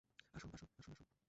আসুন, আসুন, আসুন, আসুন।